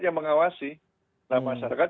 yang mengawasi nah masyarakat